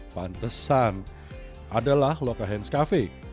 pantesan adalah lokahens cafe